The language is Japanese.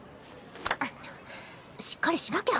んっしっかりしなきゃ。